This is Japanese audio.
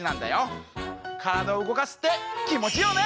からだをうごかすってきもちいいよね！